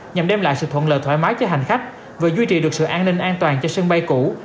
nhằm đem lại sự thuận lợi thoải mái cho hành khách vừa duy trì được sự an ninh an toàn cho sân bay cũ